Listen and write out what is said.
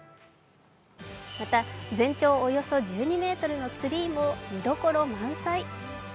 また、全長およそ１２ｍのツリーも見どころ満載。